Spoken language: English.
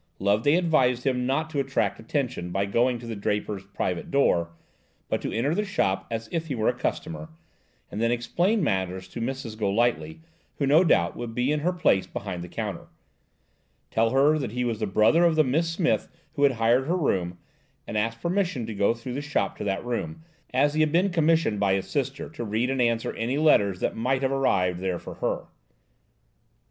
Loveday advised him not to attract attention by going to the draper's private door, but to enter the shop as if he were a customer, and then explain matters to Mrs. Golightly, who, no doubt, would be in her place behind the counter; tell her he was the brother of the Miss Smith who had hired her room, and ask permission to go through the shop to that room, as he had been commissioned by his sister to read and answer any letters that might have arrived there for her.